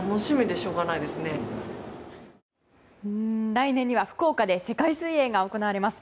来年には福岡で世界水泳が行われます。